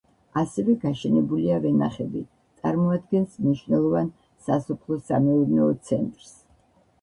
ასევე გაშენებულია ვენახები, წარმოადგენს მნიშვნელოვან სასოფლო-სამეურნეო ცენტრს.